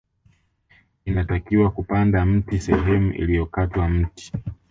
Inatakiwa kupanda mti sehemu iliyokatwa mti